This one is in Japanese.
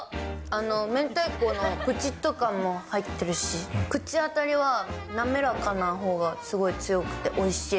めんたいこのぷちっと感も入ってるし、口当たりは滑らかなほうがすごい強くて、おいしい。